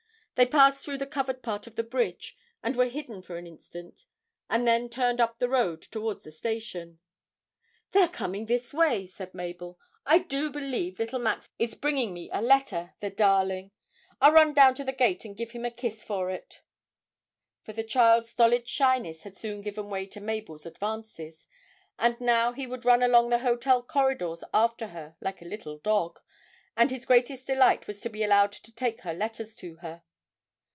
They passed through the covered part of the bridge and were hidden for an instant, and then turned up the road towards the station. 'They are coming this way,' said Mabel. 'I do believe little Max is bringing me a letter, the darling! I'll run down to the gate and give him a kiss for it.' For the child's stolid shyness had soon given way to Mabel's advances, and now he would run along the hotel corridors after her like a little dog, and his greatest delight was to be allowed to take her letters to her.